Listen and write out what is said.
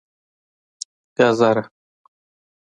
🥕 ګازره